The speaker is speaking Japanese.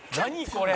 これ！」